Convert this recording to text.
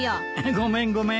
ごめんごめん。